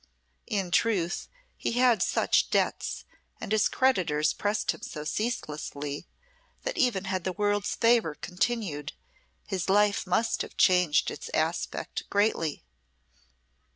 In truth, he had such debts, and his creditors pressed him so ceaselessly, that even had the world's favour continued, his life must have changed its aspect greatly.